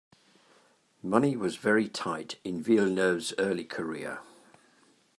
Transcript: Money was very tight in Villeneuve's early career.